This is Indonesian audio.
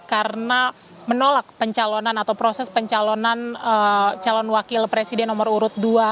karena menolak pencalonan atau proses pencalonan calon wakil presiden nomor urut dua